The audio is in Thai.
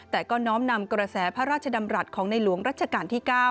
แต่ก็น้อมนำกระแสพระราชดำรัฐของในหลวงรัชกาลที่๙